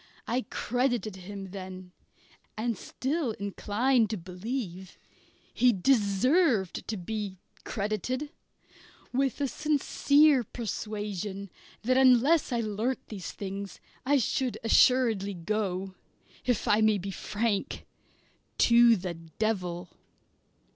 I credited him then, and still incline to believe he deserved to be credited, with a sincere persuasion that unless I learnt these things I should assuredly go if I may be frank to the devil.